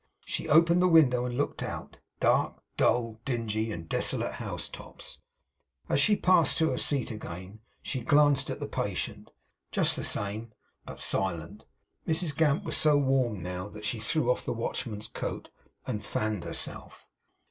She opened the window, and looked out. Dark, dull, dingy, and desolate house tops. As she passed to her seat again, she glanced at the patient. Just the same; but silent. Mrs Gamp was so warm now, that she threw off the watchman's coat, and fanned herself.